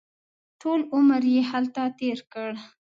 ټول عمر یې هلته تېر کړ.